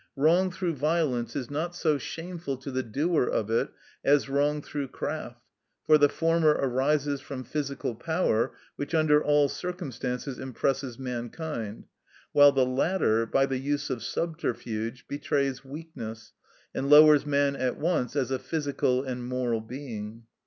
Wrong through violence is not so shameful to the doer of it as wrong through craft; for the former arises from physical power, which under all circumstances impresses mankind; while the latter, by the use of subterfuge, betrays weakness, and lowers man at once as a physical and moral being.